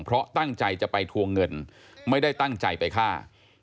เพราะตั้งใจจะไปทวงเงินไม่ได้ตั้งใจไปฆ่า